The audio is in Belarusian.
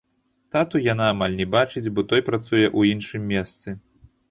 Тату яна амаль не бачыць, бо той працуе ў іншым месцы.